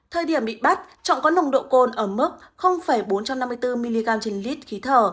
thời điểm bị bắt trọng có nồng độ côn ở mức bốn trăm năm mươi bốn mg trên lít khí thở trên mức cao nhất là bốn mg trên lít khí thở